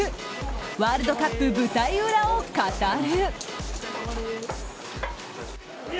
ワールドカップ舞台裏を語る。